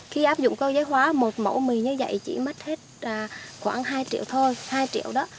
khi áp dụng cơ giới hóa một mẫu mì như vậy chỉ mất hết khoảng hai triệu thôi hai triệu đó